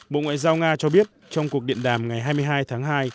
bộ ngoại giao nga cho biết trong cuộc điện đàm ngày hai mươi hai tháng hai